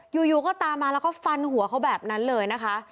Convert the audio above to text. อยู่ก็ตามมาแล้วก็ฟันหัวเขาแบบนั้นเลยนะคะ